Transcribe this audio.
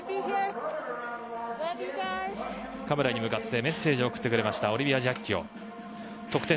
カメラに向かってメッセージを送ってくれましたオリビア・ジアッキオです。